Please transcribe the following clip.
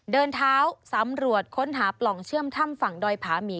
เดินเท้าสำรวจค้นหาปล่องเชื่อมถ้ำฝั่งดอยผาหมี